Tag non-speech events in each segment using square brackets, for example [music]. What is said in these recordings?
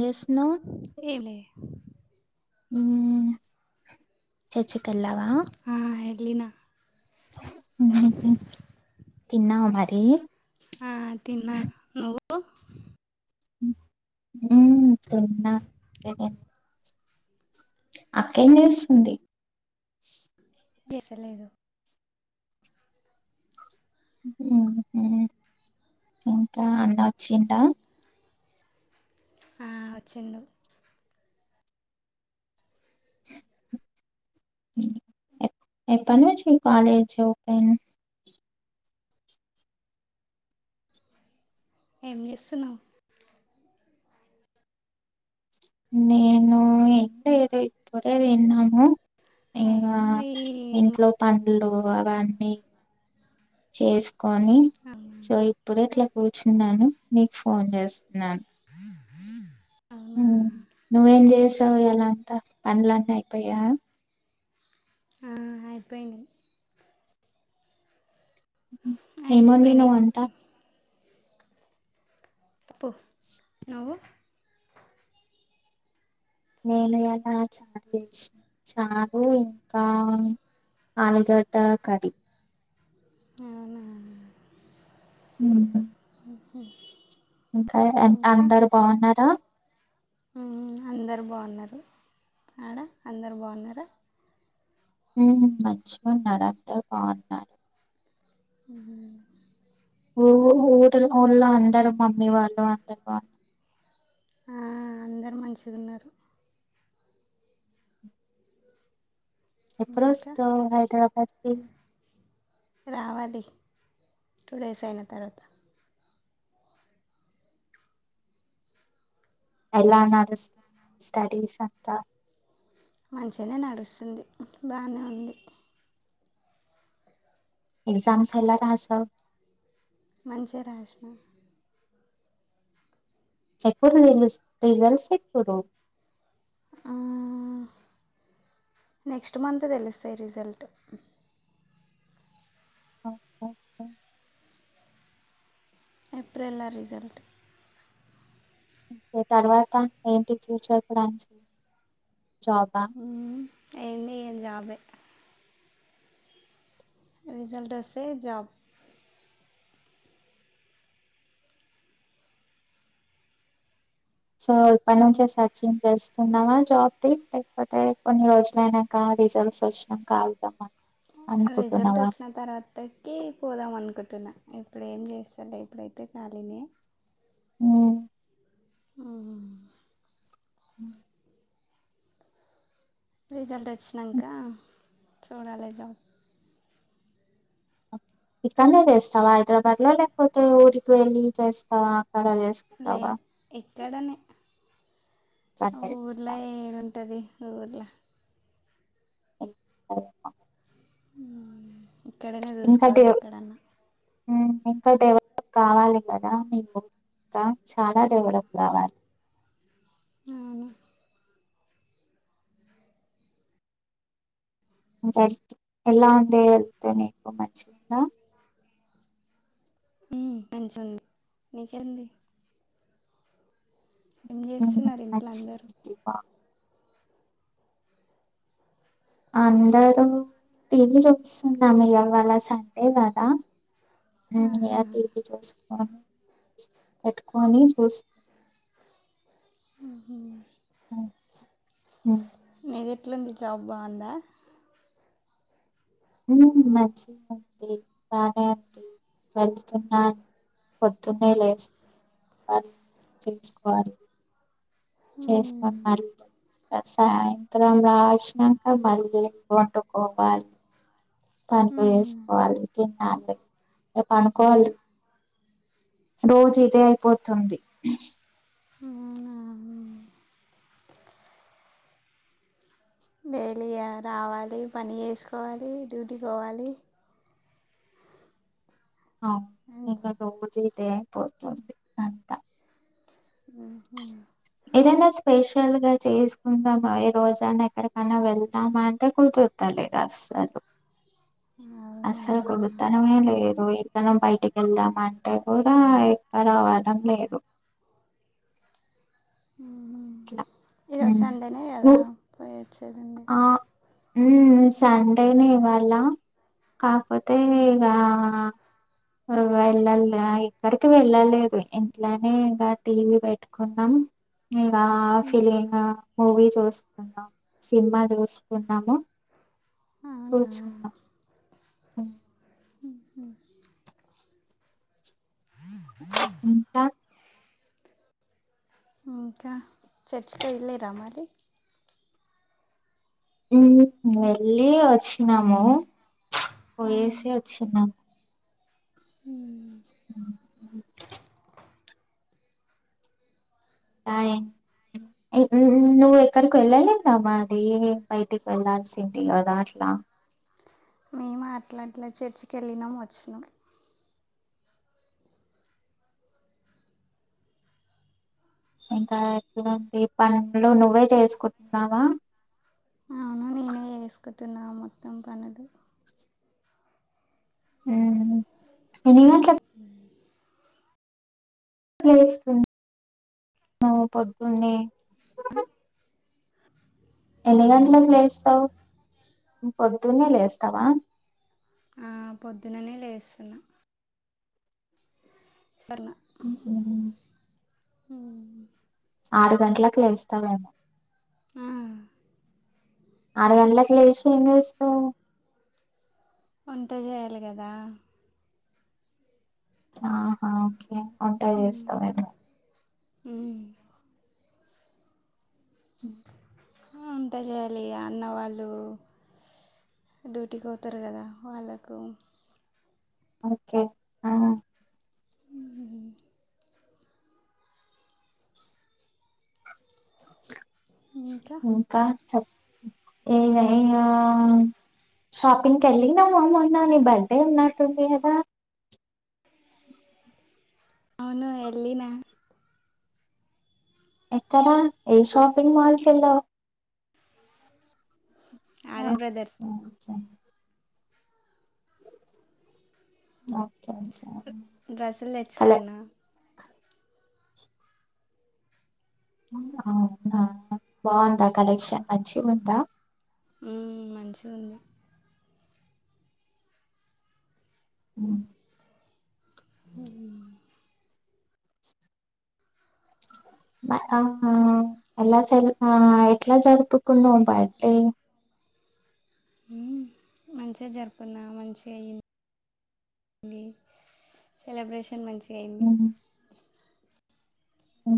చేస్తున్నావ్ ఏమ్ లే ఉ చర్చి కెళ్ళావా ఆ ఉహు ఉ తిన్నావా మరి ఆ తిన్నా నువ్వు ఓ హుమ్మ్ తిన్నా ఏదే అక్క ఏం చేస్తుంది తీస్తా లేదు ఉహు ఇంకా అన్న వచ్చిండ ఆ వచ్చిండు ఎప్ ఎప్ప నుంచి కాలేజ్ ఓపెన్ ఏం చేస్తున్నావ్ మేము ఏం లేదు ఇప్పుడే తిన్నాము ఇంగా ఏమో ఈ ఇంట్లో పన్ లో అవన్నీ చేస్ కొని మా- సో ఇప్పుడే అట్ల కూర్చున్నాను నీకు ఫోన్ చేస్ నాన్ అవునా హ్మ్ నువ్వేం చేస్ తో ఇయాలా అంత పనులన్నీ అయిపోయా ఆ అయిపేయినాయ్ హ్మ్ ఏం వండినావ్ అయిపోయినాయి వంట పప్పు నువ్వు నేను ఇయాలా చారు చేసినా, చారు ఇంకా ఆలుగడ్డ కర్రి అవునా ఉహు ఉ హ్మ్ ఇంకా అంతా అందరు బాగున్నారా మ్మ్ అందరు బాగున్నారు ఆడ అందరు బాగున్నారా మ్ మంచిగాన్నరు అందరు బాగున్నారు అ ఊ ఊటలు ఊళ్ళో అందరు మమ్మీ వాళ్ళు అందరు వాళ్ళు ఆ అందరు మంచిగున్నరు ఇంకా ఎప్పుడొస్తవ్ హైదరాబాద్ కి రావాలి టూ డేస్ అయిన తర్వాత ఎలా నడుస్ స్టడీస్ అంతా మంచిగనే నడుస్తుంది బానే ఉంది ఎగ్జామ్స్ ఎలా రాసావ్ మంచిగ రాశిన చెప్పుర్రి [unintelligible] రీజల్స్ ఎప్పుడు ఆ నెక్స్ట్ మంత్ తెలుస్తయి రిజల్ట్ [inaudible] ఏప్రిల్ల రిజల్ట్ తర్వాత ఏంటి ఫ్యూచర్ ప్లాన్స్ జాబ్ ఆ ఏయింది ఏం జాబే రిజల్ట్ వస్తే జాబ్ సో ఇప్పటి నుంచే సర్చింగ్ చేస్ న్నా వా జాబ్ది లేకపోతే కొన్ని రోజులు అయినంక రిజల్ట్స్ వచ్చినంక ఆగుదామా రిజల్ట్ వచ్చిన తర్వాతకి పోదాం అనుకుంటున్నా ఇప్పుడు ఏం చేస్తలే ఎప్పుడైతే ఖాళీనే హ్మ్ ఆ హ్మ్ రిజల్ట్ వచ్చినంక చూడాలి జాబ్. ఇక్కన్నే చేస్తావా హైదరాబాద్ లో, లేకపోతే ఊరికి వెళ్ళి చేస్తావా. [unintelligible] చేసుకుంటవా. క్కడనే ఊర్లా చేస్తావా? ఏడ ఉంటది ఊర్ల [inaudible] [inaudible] [inaudible] ఇక్కడనే ఇంకా చూసుకోవాలి డెవ ఎక్కడన్నా. ఇంకా డెవలప్ కావాలి కదా మీకు ఇంకా చాలా డెవలప్ కావాలి. అవును కా ఎలా ఉంది వెళ్తే నీకు మంచిగ ఉందా. హ్మ్ మంచిగుంది నీకేళ్ళి హ్మ్ చేస్తున్నారు ఇంట్లో అందరూ మంచిగుంది అందరూ టివి చూస్తున్నాం ఇవాళ సండే కదా హ్మ్ ఇగా టివి చూస్ పెట్టుకొని చూస్ అ హ్మ్. ఎట్లుంది జాబ్ బాగుందా మంచింది బానే అంది వెళ్తున్నా పొద్దునేే లేస్తు వాళ తీసుకోవాలి చేసుకున్నారు సాయంత్రం రాచ్చినాక మళ్ళీ వండుకోవాలి పనులు చేసుకోవాలి ఇగ పనుకోవాలి రోజు ఇదే అయిపోతుంది అవున డైలీ రావాలి పని చేసుకోవాలి డ్యూటీ కి పోవాలి ఇక [unintelligible] దే పోతుంది అంతా ఆహ ఏదైనా స్పెషల్ గా చేసుకుందామా ఏ రోజనా ఎక్కడికైనా వెళ్దామా అంటే కుదురుతలేదు అస్సలు అవునా అసలు కుదురుతనో లేదో మనం బయటికి వెళ్దామ అంటే కూడా ఎక్కువ రావడం లేదు ఇట్లా. ఇక హ్మ్. సండేనే ను కదా పోయది చడంండి ఉ సండేనే ఇవాాల కాకపోతే ఇగా వెళ్ళాల ఇక్కడికి వెళ్ళలేదు ఇంట్లోనే ఇంకా టీవీ పెట్టుకున్నాం ఇంకా ఫిలినా మూవీ చూస్తున్నాం సినిమా చూసుకున్నాము అవునా కూర్చున్న అ హ ఇంకా ఇంకా చర్చ వెళ్ళిరా మరి వెళ్ళి వచ్చినాము పోయేసి వచ్చినాము హమ్ య నువ్వు ఎక్కడికి వెళ్ళలేదా మరీ బయటికి వెళ్లాాల్సింది కదా అట్లా మేము ఆట్లాట్లా చేర్చక వెళ్ళినాం వచ్చినామ్ ఇంకా ఎట్వంటి పన్లు నువ్వే చేసుకుంటున్నావా నేనె చేసుకుంటేన్నా మొత్తం పనులు హ్మ్మ్ ఎన్ని గంటలకి లేస్తుంది నువ్వు పొద్దున్నే ఎన్ని గంటలకు లేస్తావు పొద్దున్నే లేస్తావా ఆ పొద్దుననే లేస్తున్నా సార్లా ఉమ్ ఉమ్ ఆరు గంటలలకు లేస్తవేమో ఆ ఆరుగంటలకు లేచి ఏం చేస్తావ్ వంటే చేయాలి కదా ఆహా వంటా చేస్తావేమో ఉమ్ స వంటా చేయాలి ఇగ అన్న వాళ్ళు డ్యూటీకి పోతారు కదా వాళ్ళకు ఓకే ఆ [inaudible] ఇంకా చెప్ ఇంకా షాపింగ్కి వెళ్ళినవా మొన్న నీ బర్త్డే ఉన్నట్టుంది కదా అవును ఎల్లిన ఎక్కడా ఏ షాపింగ్ మాల్ కి వెళ్ళవు ఆర్ఎస్ బ్రదర్స్ ఓకే ఓకే డ్రస్సులు కలె తెచ్చుకున్న అవునా బాగుందా కలెక్షన్ మంచిగ్ ఉందా ఉమ్ మంచిగ్ ఉంది హ్ ఉహు అవునా ఎలా స ఆ ఎట్లా జరుపుకున్నావు బర్త్డే ఉమ్ మంచిగా జరుపుకున్న మంచిగా అయింది సెలబ్రేషన్ మంచి ఏంది ఉ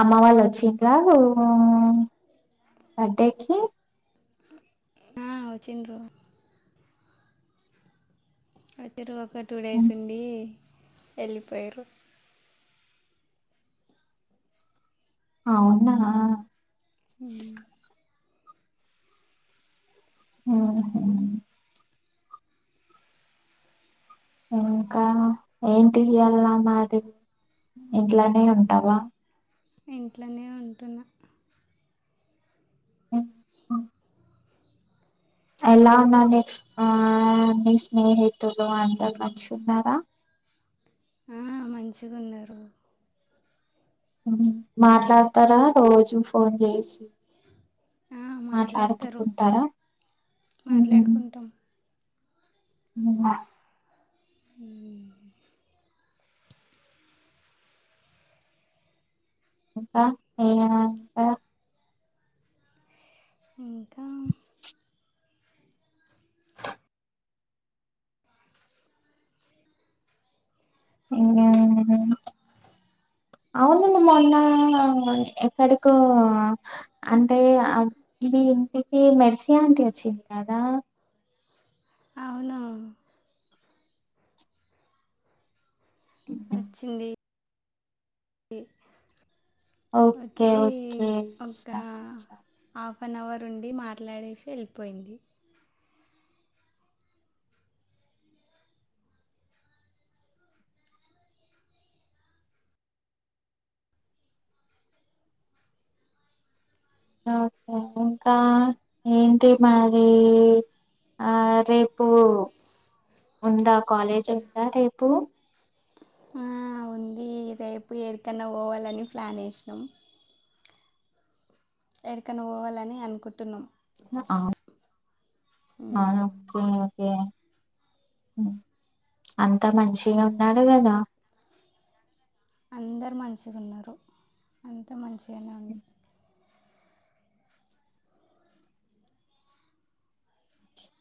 అమ్మ వాళ్ళు వచ్చి రావా హ్ బర్త్డేకి హ్ వచ్చిండ్రూ అయితే రోక్ ఒక టూ డేస్ ఉండి వెళ్ళిపోయారు అవునా ఉమ్ హుహు ఇంకా ఏంటి ఇయ్యాల మరి ఇంట్లోనే ఉంటావా ఇంట్లోనే ఉంటున్నా ఎలా ఉన్నా నీ ఆ నీ స్నేహితులు అంతా మంచిగున్నారా ఆ మంచిగా ఉన్నారు హ్ మాట్లాడతారా రోజు ఫోన్ చేసి ఆ, మాట్లాడతారు మాట్లాడుతుంటారా ఉమ్ మాట్లాడుకుంటాం హు ఇంకా ఏమైనా ఉందా ఇంకా ఇంగ అవును మొన్న ఎక్కడికో అంటే మీ ఇంటికి మెర్సియాంటి వచ్చింది కదా అవును వచ్చింది ది ఓకే ఓకే స స ఆఫ్ అన్ అవర్ ఉండి మాట్లాడేసి వెళ్ళిపోయింది. ఓకే ఇంకా ఏంటి మరి ఆ రేపు ఉందా కాలేజ్ ఎ- ఉందా రేపు ఆ ఉంది రేపు ఎడికన్న పోవాలని ప్లాన్ వేసినాం ఎడికన్నా పోవాలని అనుకు ఆ ఉమ్. ఔను క్కి కె ఉ అంతా మంచిగున్నాడు గదా అందర్ మంచిగున్నారు అంత మంచిగై [unintelligible]